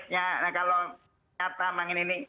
nah kalau kata